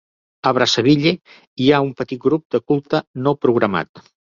A Brazzaville hi ha un petit grup de culte no programat.